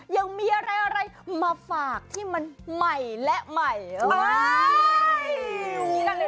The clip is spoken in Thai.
ยังมีอะไรมาฝากที่มันใหม่และใหม่